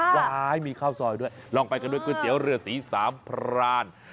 ย้ายมีข้าวซอยด้วยลองไปกันด้วยก๋วยเตี๋ยวเรือสีสามพราน